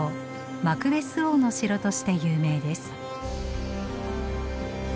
マクベス王の城として有名です。